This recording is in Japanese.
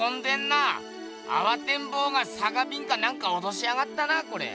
あわてんぼうがさかびんかなんかおとしやがったなこれ！